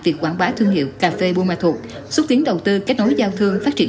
việc quảng bá thương hiệu cà phê bumathu xuất tiến đầu tư kết nối giao thương phát triển